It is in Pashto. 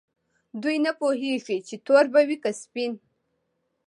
دوی نه پوهیږي چې تور به وي که سپین.